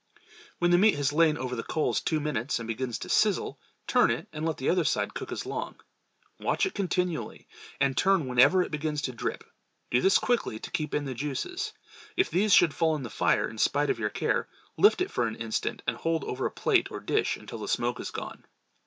When the meat has lain over the coals two minutes and begins to "sizzle," turn it and let the other side cook as long. Watch it continually and turn whenever it begins to drip. Do this quickly to keep in the juices. If these should fall in the fire in spite of your care, lift it for an instant and hold over a plate or dish until the smoke is gone.